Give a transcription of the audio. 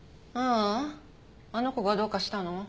あの子がどうかしたの？